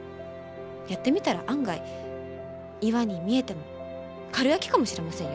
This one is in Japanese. やってみたら案外岩に見えてもかるやきかもしれませんよ。